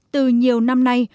từ nhiều năm nay